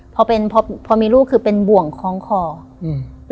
พอมีลูกคือเป็นบ่วงคลองคลอ